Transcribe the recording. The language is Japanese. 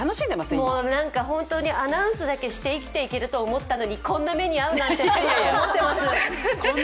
本当にアナウンスだけ生きていけると思ったのにこんな目に遭うなんてって今は思ってます。